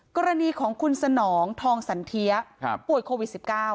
กรณีของคุณสนองทองสันเทียป่วยโควิด๑๙